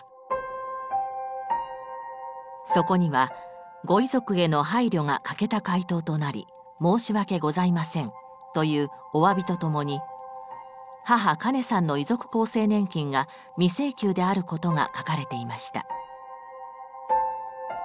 そこには「ご遺族への配慮が欠けた回答となり申し訳ございません」というおわびとともに母・カネさんの遺族厚生年金が未請求であることが書かれていました。